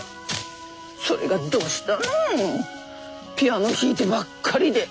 それがどしたのピアノ弾いてばっかりで。